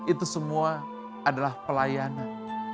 itu semua adalah pelayanan